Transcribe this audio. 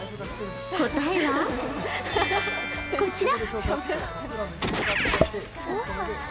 答えはこちら。